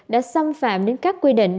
đã xâm phạm đến các quy định